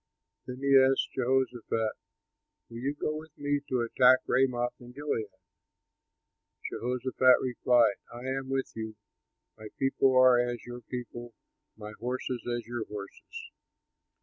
Then he asked Jehoshaphat, "Will you go with me to attack Ramoth in Gilead?" Jehoshaphat replied, "I am with you, my people are as your people, my horses as your horses."